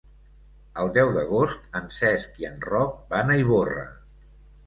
El deu d'agost en Cesc i en Roc van a Ivorra.